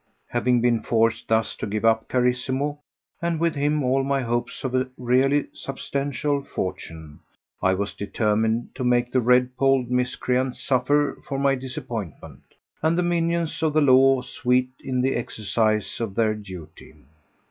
4. Having been forced thus to give up Carissimo, and with him all my hopes of a really substantial fortune, I was determined to make the red polled miscreant suffer for my disappointment, and the minions of the law sweat in the exercise of their duty.